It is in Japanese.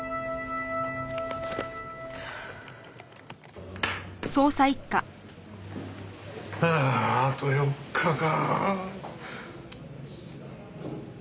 はあーあと４日か。